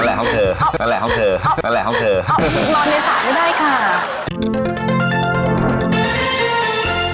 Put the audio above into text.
เนแล้วทำไมหนูถึงนอนในศาลครับ